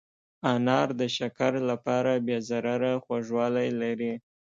انار د شکر لپاره بې ضرره خوږوالی لري.